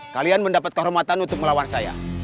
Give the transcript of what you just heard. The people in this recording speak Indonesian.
kalian mendapat kehormatan untuk melawan saya